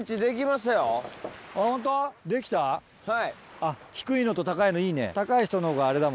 あっ低いのと高いのいいね。